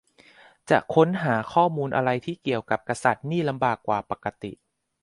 จะค้นจะหาข้อมูลอะไรที่เกี่ยวกับกษัตริย์นี่ลำบากกว่าปกติ